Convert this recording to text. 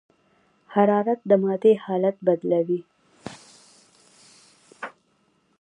حرارت د مادې حالت بدلوي.